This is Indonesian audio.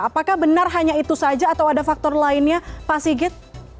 apakah benar hanya itu saja atau ada faktor lainnya pak sigit